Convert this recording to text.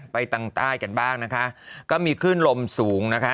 ตังใต้กันบ้างนะคะก็มีคลื่นลมสูงนะคะ